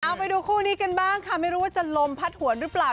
เอาไปดูคู่นี้กันบ้างค่ะไม่รู้ว่าจะลมพัดหวนหรือเปล่า